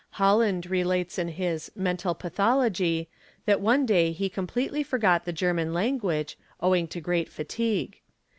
Holland relates in his' 'Mental Pathology,'' that one day he completely forgot the German. language, owing to great fatigue.